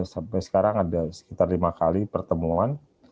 sampai sekarang ada sekitar lima kali pertemuan